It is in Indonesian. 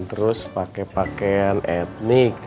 terus pake pakean etnik